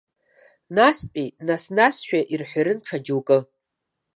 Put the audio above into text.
Настәи нас-насшәа ирҳәарын ҽа џьоукы.